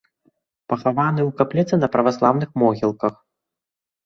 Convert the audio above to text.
Пахаваны ў капліцы на праваслаўных могілках.